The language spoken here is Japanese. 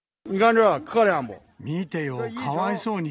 見てよ、かわいそうに。